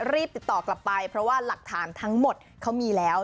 รีบติดต่อกลับไปเพราะว่าหลักฐานทั้งหมดเขามีแล้ว